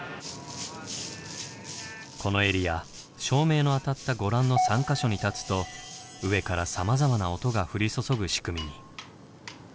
このエリア照明の当たったご覧の３か所に立つと上からさまざまな音が降り注ぐ仕組みに。